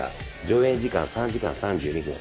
上映時間３時間３２分